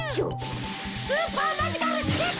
スーパーマジカルシュート！